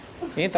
pertama ini ya